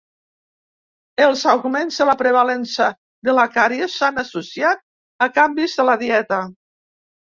Els augments de la prevalença de la càries s'han associat a canvis de la dieta.